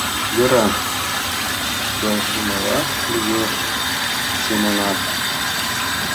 — Йӧра, — келшымыла лиеш Семонат.